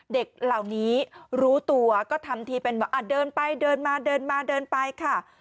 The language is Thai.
เด็กเหล่านี้รู้ตัวก็ทำทีเป็นว่าเดินไปเดินมาเดินมาเดินไปค่ะ